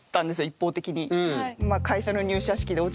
一方的に。